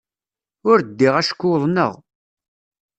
Ur ddiɣ acku uḍneɣ.